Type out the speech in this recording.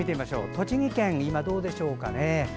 栃木県、どうでしょうかね。